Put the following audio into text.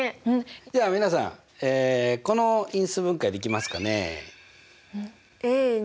じゃあ皆さんこの因数分解できますかね？